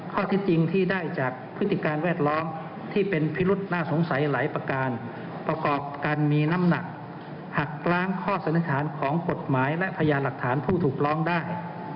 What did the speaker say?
ข้อที่จริงที่ได้จากพฤติการแวดล้อมที่เป็นพิรุษน่าสงสัยหลายประการประกอบการมีน้ำหนักหักล้างข้อสันนิษฐานของกฎหมายและพยานหลักฐานผู้ถูกร้องได้